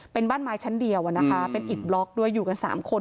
เป็นบ้านไม้ชั้นเดียวนะคะเป็นอิดบล็อกด้วยอยู่กัน๓คน